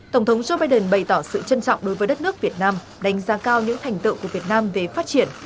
tổng thống joe biden bày tỏ sự trân trọng đối với đất nước việt nam đánh giá cao những thành tựu của việt nam về phát triển